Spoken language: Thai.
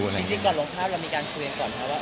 จริงก่อนลงภาพเรามีการคุยกันก่อนไหมครับว่า